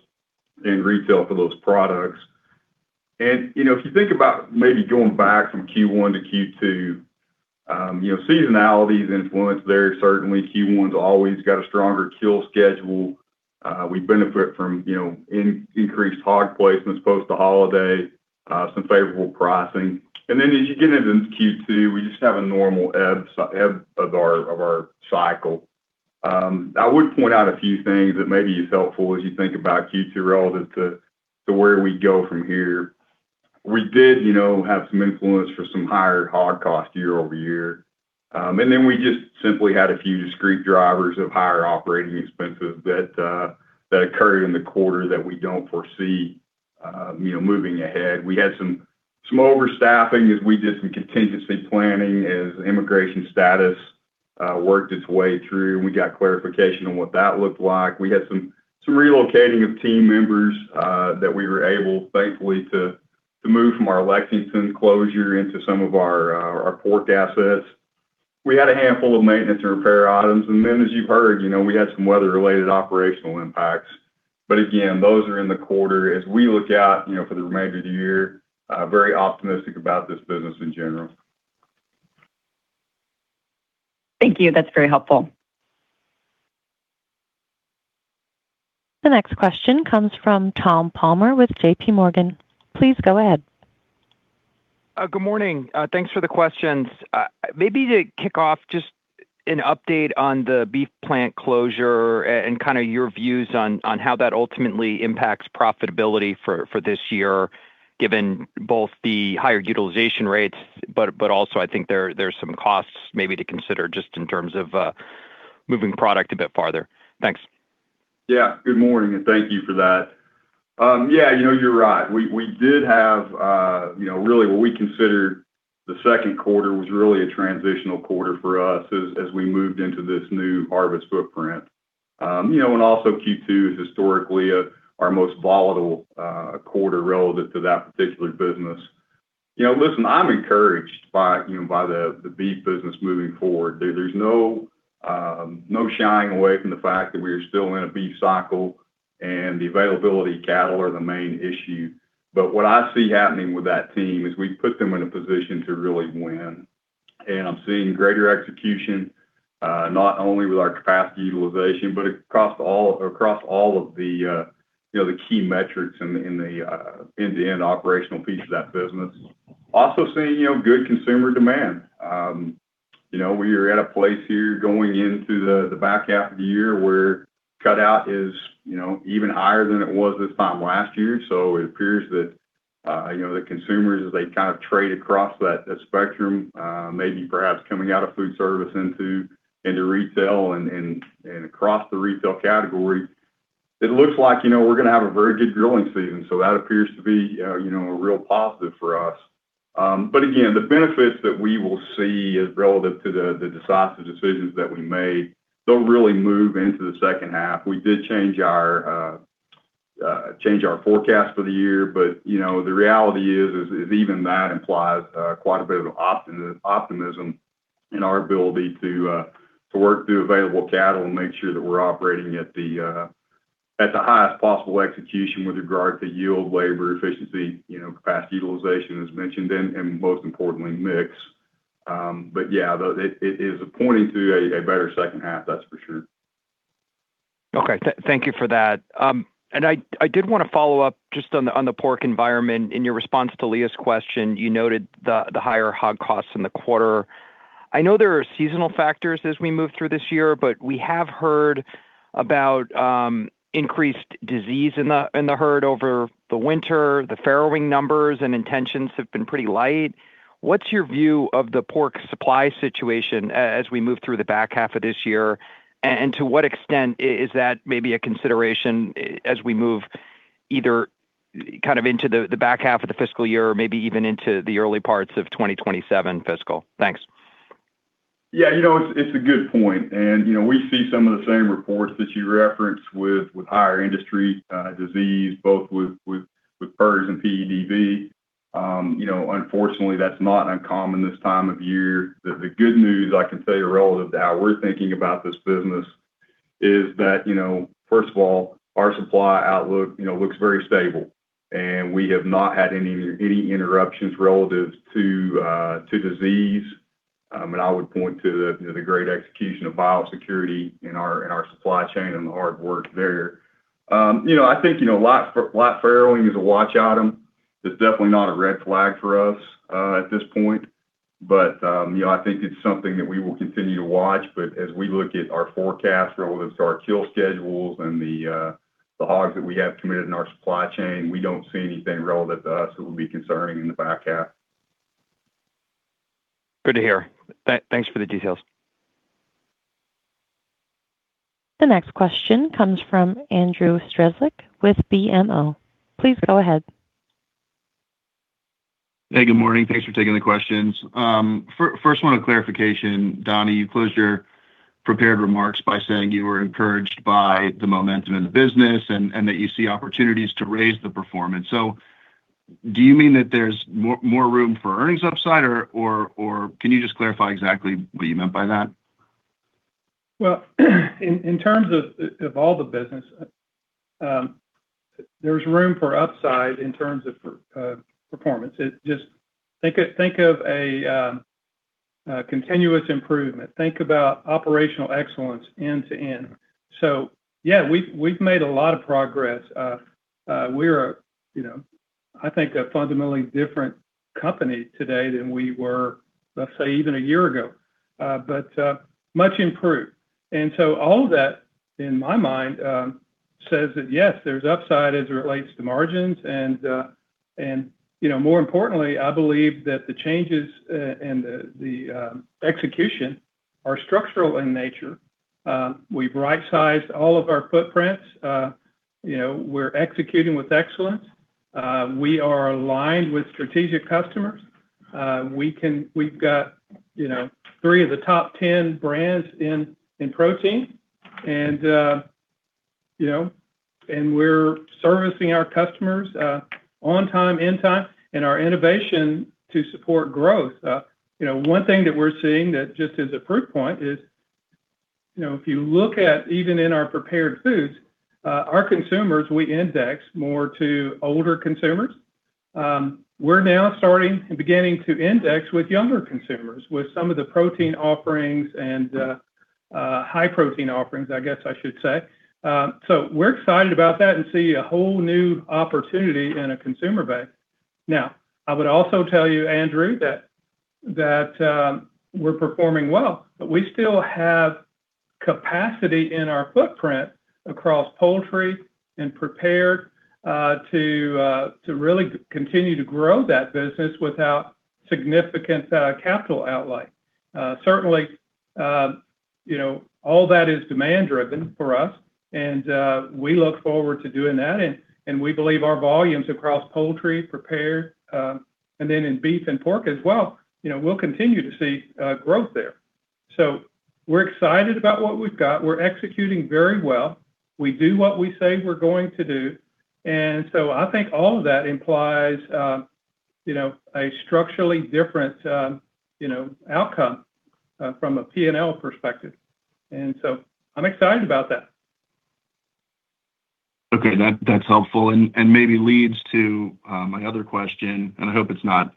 and retail for those products. You know, if you think about maybe going back from Q1 to Q2, you know, seasonality's influence there, certainly Q1's always got a stronger kill schedule. We benefit from, you know, increased hog placements post the holiday, some favorable pricing. As you get into Q2, we just have a normal ebb of our, of our cycle. I would point out a few things that may be helpful as you think about Q2 relative to where we go from here. We did, you know, have some influence for some higher hog cost year-over-year. Then we just simply had a few discrete drivers of higher operating expenses that occurred in the quarter that we don't foresee, you know, moving ahead. We had some overstaffing as we did some contingency planning as immigration status worked its way through, and we got clarification on what that looked like. We had some relocating of team members that we were able, thankfully, to move from our Lexington closure into some of our pork assets. We had a handful of maintenance and repair items. Then as you've heard, you know, we had some weather-related operational impacts. Again, those are in the quarter. As we look out, you know, for the remainder of the year, very optimistic about this business in general. Thank you. That's very helpful. The next question comes from Tom Palmer with JPMorgan. Please go ahead. Good morning. Thanks for the questions. Maybe to kick off, just an update on the beef plant closure and kind of your views on how that ultimately impacts profitability for this year, given both the higher utilization rates, but also I think there's some costs maybe to consider just in terms of, moving product a bit farther. Thanks. Yeah. Good morning, and thank you for that. Yeah, you know, you're right. We did have, you know, really what we consider the second quarter was really a transitional quarter for us as we moved into this new harvest footprint. You know, also Q2 is historically our most volatile quarter relative to that particular business. You know, listen, I'm encouraged by, you know, the Beef business moving forward. There's no shying away from the fact that we are still in a beef cycle and the availability of cattle are the main issue. What I see happening with that team is we've put them in a position to really win. And I'm seeing greater execution, not only with our capacity utilization, but across all of the, you know, the key metrics in the, in the, end-to-end operational piece of that business. Also seeing, you know, good consumer demand. You know, we are at a place here going into the back half of the year where cutout is, you know, even higher than it was this time last year. It appears that, you know, the consumers, as they kind of trade across that spectrum, maybe perhaps coming out of food service into retail and across the retail category, it looks like, you know, we're gonna have a very good grilling season. That appears to be, you know, a real positive for us. Again, the benefits that we will see as relative to the decisive decisions that we made don't really move into the second half. We did change our forecast for the year. You know, the reality is even that implies quite a bit of optimism in our ability to work through available cattle and make sure that we're operating at the highest possible execution with regard to yield, labor efficiency, you know, capacity utilization as mentioned, and most importantly, mix. Yeah, it is pointing to a better second half, that's for sure. Okay. Thank you for that. I did wanna follow up just on the pork environment. In your response to Leah's question, you noted the higher hog costs in the quarter. I know there are seasonal factors as we move through this year, we have heard about increased disease in the herd over the winter. The farrowing numbers and intentions have been pretty light. What's your view of the pork supply situation as we move through the back half of this year? To what extent is that maybe a consideration as we move either kind of into the back half of the fiscal year or maybe even into the early parts of 2027 fiscal? Thanks. Yeah, you know, it's a good point. You know, we see some of the same reports that you referenced with higher industry disease, both with PRRS and PEDV. You know, unfortunately, that's not uncommon this time of year. The good news I can tell you relative to how we're thinking about this business is that, you know, first of all, our supply outlook, you know, looks very stable, and we have not had any interruptions relative to disease. I would point to the, you know, the great execution of biosecurity in our supply chain and the hard work there. You know, I think, you know, live farrowing is a watch item. It's definitely not a red flag for us at this point. You know, I think it's something that we will continue to watch. As we look at our forecast relative to our kill schedules and the hogs that we have committed in our supply chain, we don't see anything relative to us that would be concerning in the back half. Good to hear. Thanks for the details. The next question comes from Andrew Strelzik with BMO. Please go ahead. Hey, good morning. Thanks for taking the questions. First one a clarification. Donnie, you closed your prepared remarks by saying you were encouraged by the momentum in the business and that you see opportunities to raise the performance. Do you mean that there's more room for earnings upside or can you just clarify exactly what you meant by that? In terms of all the business, there's room for upside in terms of performance. Think of a continuous improvement. Think about operational excellence end to end. We've made a lot of progress. We're, you know, I think a fundamentally different company today than we were, let's say, even a year ago, much improved. All of that, in my mind, says that yes, there's upside as it relates to margins and, you know, more importantly, I believe that the changes and the execution are structural in nature. We've right-sized all of our footprints. You know, we're executing with excellence. We are aligned with strategic customers. We've got, you know, three of the top 10 brands in protein and, you know, and we're servicing our customers on time, in time, and our innovation to support growth. You know, one thing that we're seeing that just as a proof point is, you know, if you look at even in our Prepared Foods, our consumers, we index more to older consumers. We're now starting and beginning to index with younger consumers with some of the protein offerings and high protein offerings, I guess I should say. We're excited about that and see a whole new opportunity in a consumer base. I would also tell you, Andrew, we're performing well, but we still have capacity in our footprint across poultry and prepared to really continue to grow that business without significant capital outlay. Certainly, you know, all that is demand driven for us and we look forward to doing that. We believe our volumes across poultry, prepared, and then in beef and pork as well, you know, we'll continue to see growth there. We're excited about what we've got. We're executing very well. We do what we say we're going to do. I think all of that implies, you know, a structurally different, you know, outcome from a P&L perspective. I'm excited about that. Okay, that's helpful. And maybe leads to my other question, I hope it's not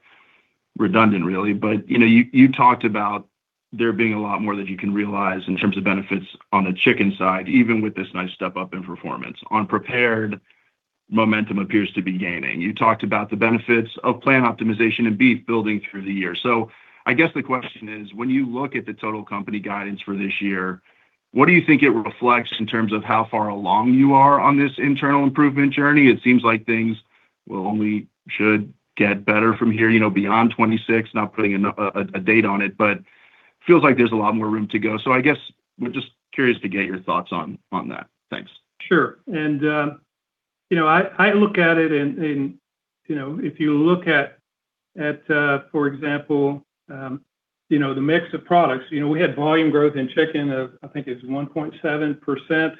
redundant really, you know, you talked about there being a lot more that you can realize in terms of benefits on the Chicken side, even with this nice step up in performance. On Prepared, momentum appears to be gaining. You talked about the benefits of plan optimization in Beef building through the year. I guess the question is: when you look at the total company guidance for this year, what do you think it reflects in terms of how far along you are on this internal improvement journey? It seems like things will only should get better from here, you know, beyond 2026, not putting a date on it, feels like there's a lot more room to go. I guess we're just curious to get your thoughts on that. Thanks. Sure. You know, I look at it and, you know, if you look at, for example, you know, the mix of products, you know, we had volume growth in Chicken of, I think it's 1.7%.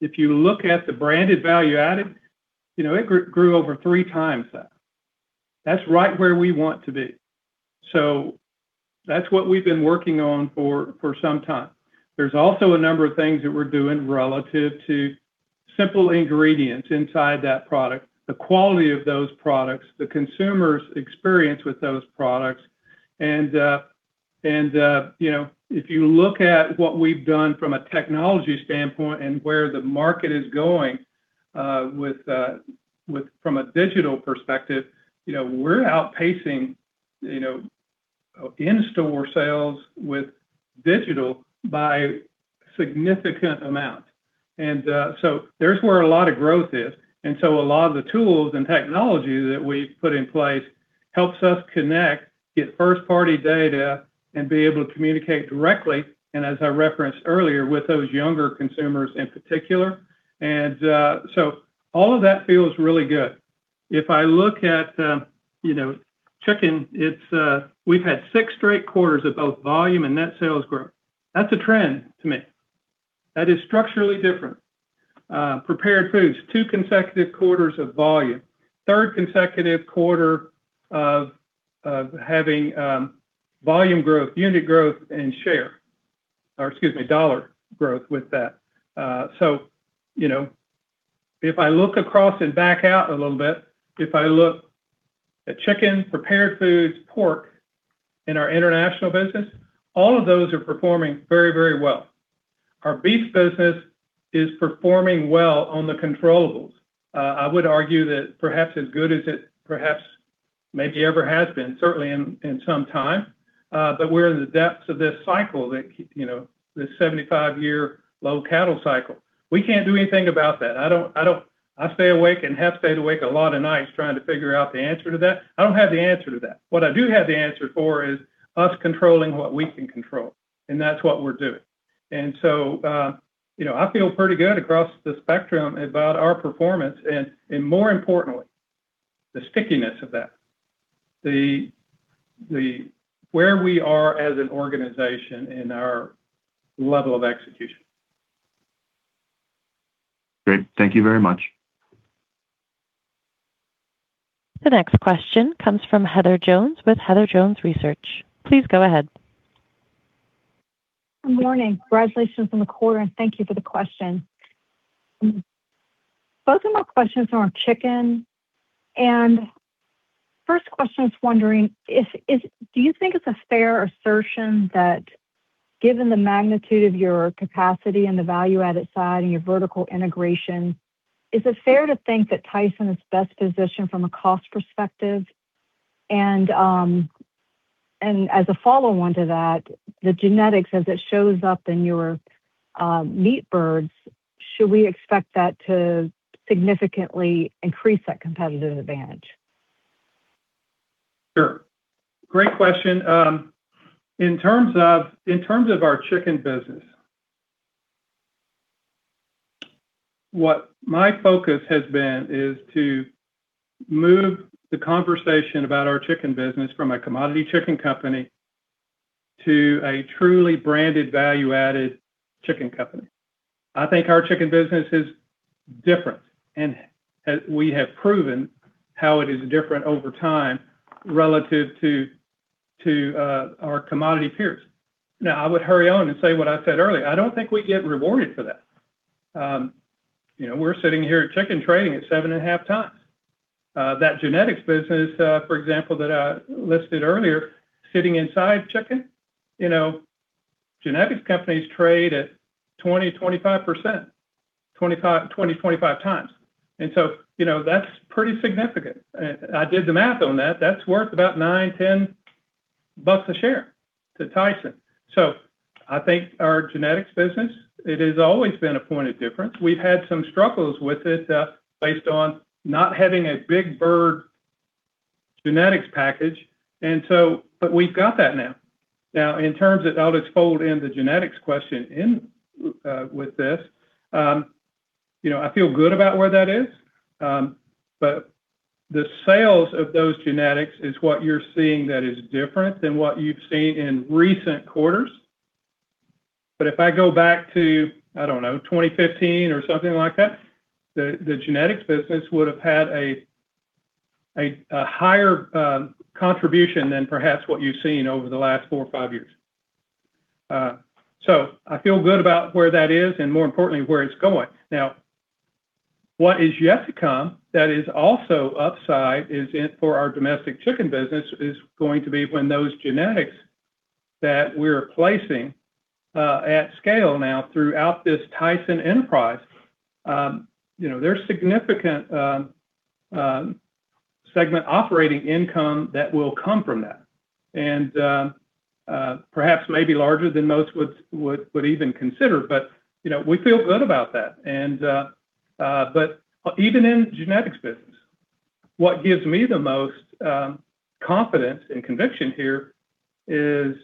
If you look at the branded value added, you know, it grew over 3x that. That's right where we want to be. That's what we've been working on for some time. There's also a number of things that we're doing relative to simple ingredients inside that product, the quality of those products, the consumer's experience with those products. You know, if you look at what we've done from a technology standpoint and where the market is going. From a digital perspective, you know, we're outpacing, you know, in-store sales with digital by significant amount. There's where a lot of growth is. A lot of the tools and technology that we've put in place helps us connect, get first-party data and be able to communicate directly, and as I referenced earlier, with those younger consumers in particular. All of that feels really good. If I look at, you know, Chicken, it's, we've had six straight quarters of both volume and net sales growth. That's a trend to me. That is structurally different. Prepared Foods, two consecutive quarters of volume, third consecutive quarter of having volume growth, unit growth, and share. Excuse me, dollar growth with that. You know, if I look across and back out a little bit, if I look at Chicken, Prepared Foods, Pork, and our International business, all of those are performing very, very well. Our Beef business is performing well on the controllables. I would argue that perhaps as good as it perhaps maybe ever has been, certainly in some time. We're in the depths of this cycle that keep, you know, this 75-year low cattle cycle. We can't do anything about that. I stay awake and have stayed awake a lot of nights trying to figure out the answer to that. I don't have the answer to that. What I do have the answer for is us controlling what we can control, and that's what we're doing. You know, I feel pretty good across the spectrum about our performance and more importantly, the stickiness of that, the where we are as an organization and our level of execution. Great. Thank you very much. The next question comes from Heather Jones with Heather Jones Research. Please go ahead. Good morning. Congratulations on the quarter and thank you for the question. Both of my questions are on Chicken. First question is wondering do you think it's a fair assertion that given the magnitude of your capacity and the value-added side and your vertical integration, is it fair to think that Tyson is best positioned from a cost perspective? As a follow-on to that, the genetics as it shows up in your meat birds, should we expect that to significantly increase that competitive advantage? Sure. Great question. In terms of our Chicken business, what my focus has been is to move the conversation about our Chicken business from a commodity chicken company to a truly branded value-added chicken company. I think our Chicken business is different, and we have proven how it is different over time relative to our commodity peers. I would hurry on and say what I said earlier, I don't think we get rewarded for that. You know, we're sitting here at Chicken trading at 7.5x. That genetics business, for example, that I listed earlier, sitting inside Chicken, you know, genetics companies trade at 20x-25x. You know, that's pretty significant. I did the math on that. That's worth about $9-$10 a share to Tyson. I think our genetics business, it has always been a point of difference. We've had some struggles with it, based on not having a big bird genetics package. We've got that now. Now, in terms of how this fold in the genetics question in, you know, I feel good about where that is. The sales of those genetics is what you're seeing that is different than what you've seen in recent quarters. If I go back to, I don't know, 2015 or something like that, the genetics business would have had a higher contribution than perhaps what you've seen over the last four or five years. I feel good about where that is and more importantly, where it's going. What is yet to come that is also upside is in, for our domestic Chicken business, is going to be when those genetics that we're placing at scale now throughout this Tyson enterprise. You know, there's significant segment operating income that will come from that. Perhaps maybe larger than most would even consider, but, you know, we feel good about that. But even in genetics business, what gives me the most confidence and conviction here is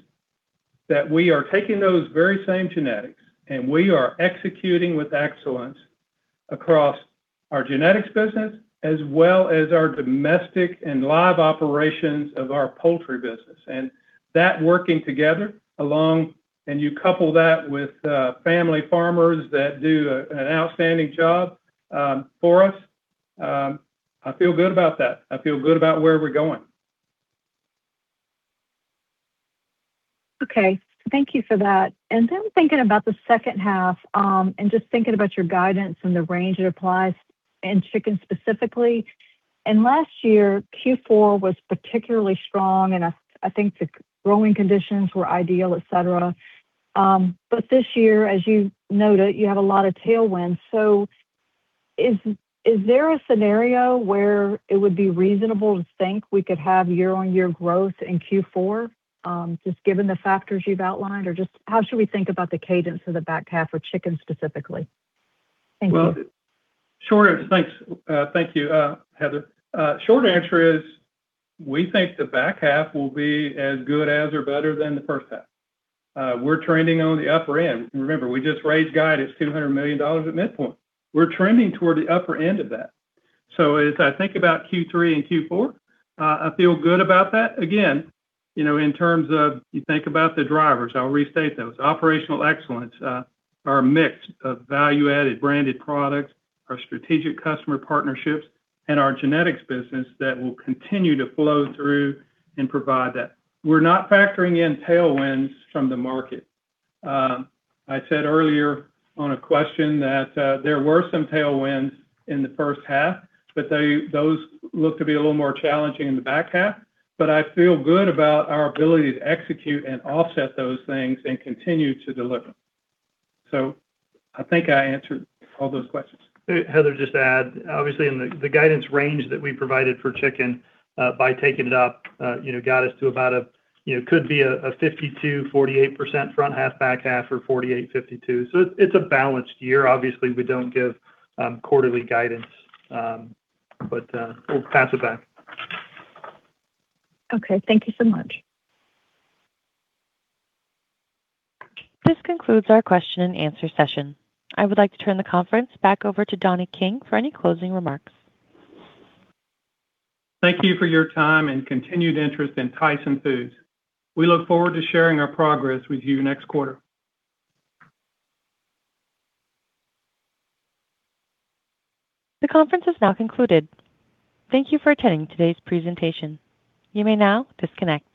that we are taking those very same genetics and we are executing with excellence across our genetics business as well as our domestic and live operations of our poultry business. That working together along, and you couple that with family farmers that do an outstanding job for us, I feel good about that. I feel good about where we're going. Okay. Thank you for that. Thinking about the second half, just thinking about your guidance and the range it applies in Chicken specifically. Last year, Q4 was particularly strong, and I think the growing conditions were ideal, et cetera. This year, as you noted, you have a lot of tailwinds. Is there a scenario where it would be reasonable to think we could have year-on-year growth in Q4, just given the factors you've outlined? Just how should we think about the cadence of the back half for Chicken specifically? Thank you. Well, Thanks, thank you, Heather. Short answer is we think the back half will be as good as or better than the first half. We're trending on the upper end. Remember, we just raised guidance $200 million at midpoint. We're trending toward the upper end of that. As I think about Q3 and Q4, I feel good about that. Again, you know, in terms of you think about the drivers, I'll restate those. Operational excellence, our mix of value-added branded products, our strategic customer partnerships, and our genetics business that will continue to flow through and provide that. We're not factoring in tailwinds from the market. I said earlier on a question that there were some tailwinds in the first half, those look to be a little more challenging in the back half. I feel good about our ability to execute and offset those things and continue to deliver. I think I answered all those questions. Heather, just to add, obviously in the guidance range that we provided for Chicken, by taking it up, you know, got us to about a, you know, could be a 52%, 48% front half, back half or 48%, 52%. It's a balanced year. Obviously, we don't give quarterly guidance, but we'll pass it back. Okay, thank you so much. This concludes our question-and-answer session. I would like to turn the conference back over to Donnie King for any closing remarks. Thank you for your time and continued interest in Tyson Foods. We look forward to sharing our progress with you next quarter. The conference is now concluded. Thank you for attending today's presentation. You may now disconnect.